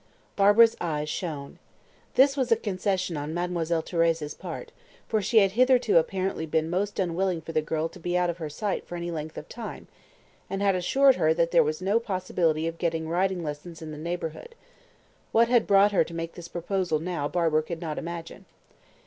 Barbara's eyes shone. This was a concession on Mademoiselle Thérèse's part, for she had hitherto apparently been most unwilling for the girl to be out of her sight for any length of time, and had assured her that there was no possibility of getting riding lessons in the neighbourhood. What had brought her to make this proposal now Barbara could not imagine.